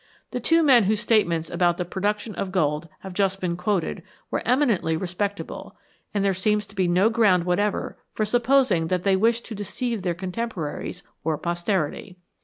The two men whose statements about the production of gold have just been quoted were eminently respectable, and there seems to be no ground whatever for supposing that they wished to deceive their contemporaries or posterity.